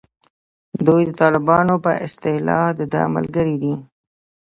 دوی د طالبانو په اصطلاح دده ملګري دي.